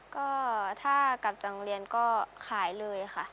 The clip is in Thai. ก็ถ้ากลับจากโรงเรียนก็ขายเลยค่ะ